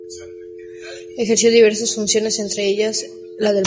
Ejerció diversas funciones, entre ellas la de Procurador Judicial de Barquisimeto.